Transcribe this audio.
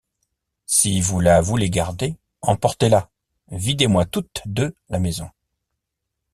Si vous la voulez garder, emportez-la, videz-moi toutes deux la maison.